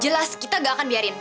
jelas kita gak akan biarin